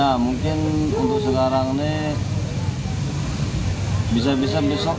biasanya kalau awal bulan ramadan kan ya naik